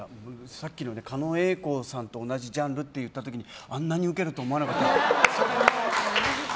さっきの狩野英孝さんと同じジャンルって言った時に、あんなにウケると思わなかったです。